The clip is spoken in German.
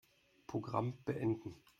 Programm beenden.